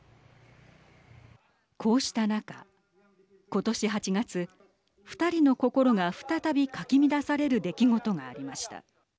こうした中、今年８月２人の心が再びかき乱される出来事がありました。